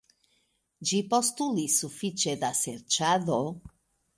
Ĝi postulis sufiĉe da serĉado.